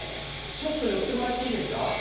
ちょっと寄ってもらっていいですか？